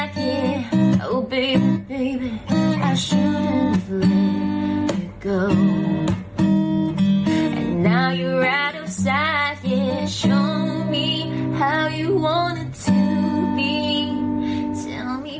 ต่อไป